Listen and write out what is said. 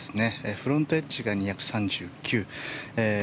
フロントエッジが２３９。